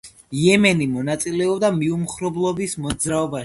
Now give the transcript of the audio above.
იემენი მონაწილეობდა მიუმხრობლობის მოძრაობაში.